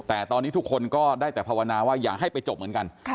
แต่ตอนนี้ทุกคนก็ได้แต่ภาวนาว่าอย่าให้ไปจบเหมือนกัน